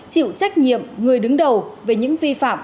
chịu trách nhiệm người đứng đầu về những vi phạm